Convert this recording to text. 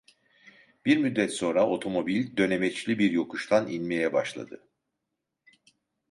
Bir müddet sonra otomobil dönemeçli bir yokuştan inmeye başladı.